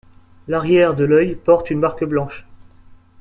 L'arrière de l'œil porte une marque blanche.